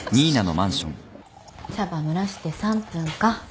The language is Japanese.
茶葉蒸らして３分か。